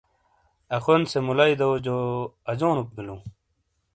اخون سے مُلئی دو جو نو اجونوک بیلو۔